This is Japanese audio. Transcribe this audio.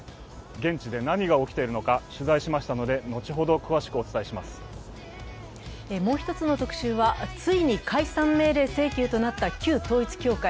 現地で何が起きているのか、取材しましたのでもう１つの特集は、ついに解散命令請求となった旧統一教会。